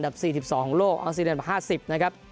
ของโลกออสเตรเลียดับ๕๐นะครับ